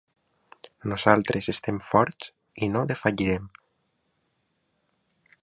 Nosaltres estem forts i no defallirem!